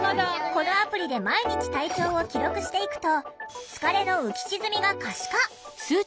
このアプリで毎日体調を記録していくと疲れの浮き沈みが可視化。